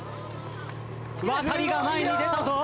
ワタリが前に出たぞ。